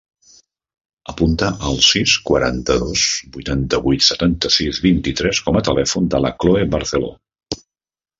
Apunta el sis, quaranta-dos, vuitanta-vuit, setanta-sis, vint-i-tres com a telèfon de la Chloe Barcelo.